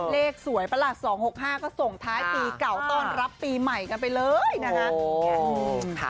เลขสวยปะล่ะ๒๖๕ก็ส่งท้ายปีเก่าต้อนรับปีใหม่กันไปเลยนะคะ